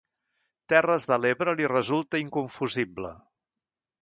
Terres de l'Ebre li resulta inconfusible.